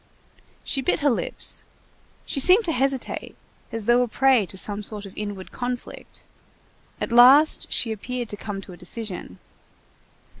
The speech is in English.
She bit her lips; she seemed to hesitate, as though a prey to some sort of inward conflict. At last she appeared to come to a decision.